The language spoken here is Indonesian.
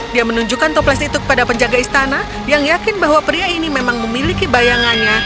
dia menunjukkan toples itu kepada penjaga istana yang yakin bahwa pria ini memang memiliki bayangannya